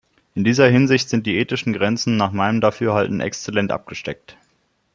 In dieser Hinsicht sind die ethischen Grenzen nach meinem Dafürhalten exzellent abgesteckt.